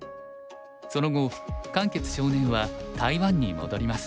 その後漢傑少年は台湾に戻ります。